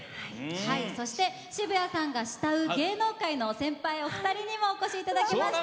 そして渋谷さんが慕う芸能界の先輩２人にもお越しいただきました。